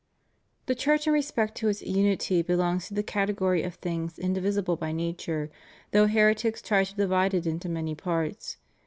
"The Church in respect of its unity belongs to the category of things indivisible by nature, though heretics try to divide it into many parts.